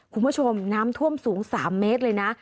คุณผู้ชมน้ำท่วมสูง๓เมตรเลยนะ